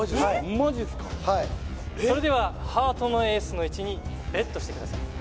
マジっすかはいそれではハートのエースの位置にＢＥＴしてください